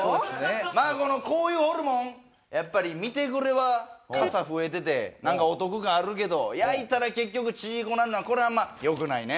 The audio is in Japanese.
まあこのこういうホルモンやっぱり見てくれはかさ増えててなんかお得感あるけど焼いたら結局ちいこくなるのはこれあんま良くないね。